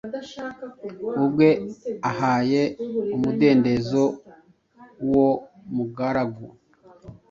ubwe ahaye umudendezo uwo mugaragu.